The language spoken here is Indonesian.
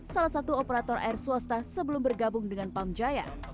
salah satu operator air swasta sebelum bergabung dengan pamjaya